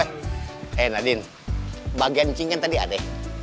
eh nadine bagian cinggan tadi ade